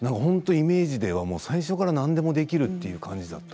イメージでは最初から何でもできるという感じで。